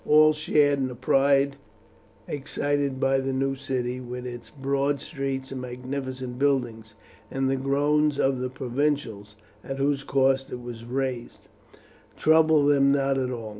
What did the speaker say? All shared in the pride excited by the new city, with its broad streets and magnificent buildings, and the groans of the provincials, at whose cost it was raised, troubled them not at all.